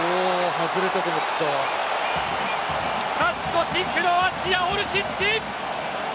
勝ち越し、クロアチアオルシッチ！